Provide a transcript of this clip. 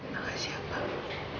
makasih ya pak